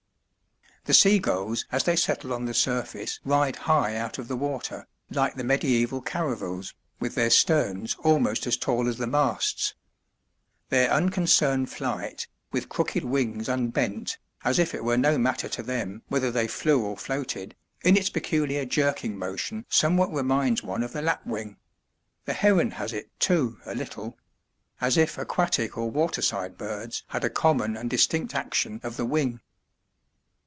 The sea gulls as they settle on the surface ride high out of the water, like the mediæval caravals, with their sterns almost as tall as the masts. Their unconcerned flight, with crooked wings unbent, as if it were no matter to them whether they flew or floated, in its peculiar jerking motion somewhat reminds one of the lapwing the heron has it, too, a little as if aquatic or water side birds had a common and distinct action of the wing.